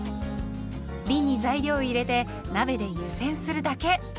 びんに材料を入れて鍋で湯煎するだけ。